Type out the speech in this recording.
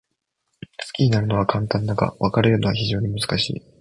好きになるのは簡単だが、別れるのは非常に難しい。